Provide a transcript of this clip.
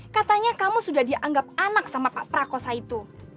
katanya kamu sudah dianggap anak sama pak prakosa itu